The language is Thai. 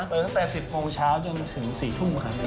เปิดตั้งแต่๑๐โมงเช้าจนถึง๔ทุ่มครับ